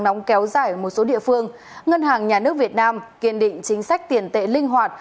nóng kéo dài ở một số địa phương ngân hàng nhà nước việt nam kiên định chính sách tiền tệ linh hoạt